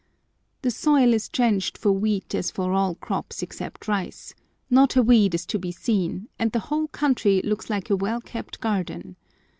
The soil is trenched for wheat as for all crops except rice, not a weed is to be seen, and the whole country looks like a well kept garden.